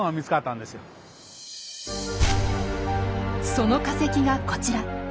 その化石がこちら。